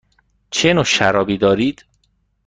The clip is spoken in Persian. چه نوع شرابی دارید؟